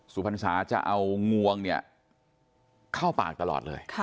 สุพรรณศาสตร์จะเอางวงเนี่ยเข้าปากตลอดเลยค่ะ